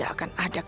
aku akan menang